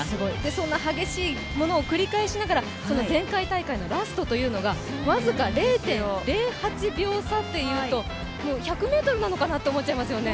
そんな激しいものを繰り返しながら、前回大会のラストというのが、僅か０．０８秒差という、もう１００ｍなのかなって思っちゃいますよね。